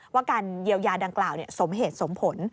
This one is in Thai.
ว่าการเยียวยาดังกล่าวสมเหตุสมผล